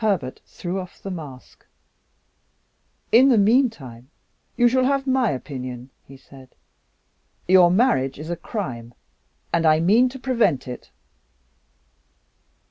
Herbert threw off the mask. "In the meantime, you shall have my opinion," he said. "Your marriage is a crime and I mean to prevent it."